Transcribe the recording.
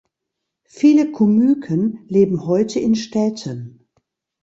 Viele Kumyken leben heute in Städten.